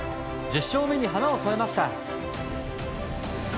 １０勝目に花を添えました。